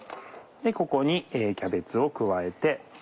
ここにキャベツを加えて。